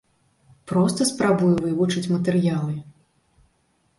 Проста спрабую вывучыць матэрыялы.